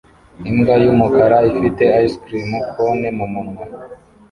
Imbwa yumukara ifite ice cream cone mumunwa